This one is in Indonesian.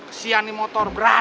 kesian nih motor berat